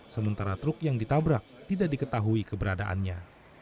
sementara truk yang ditabrak tidak diketahui keberadaannya